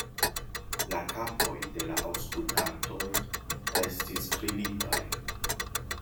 La kapoj de la aŭskultantoj restis klinitaj.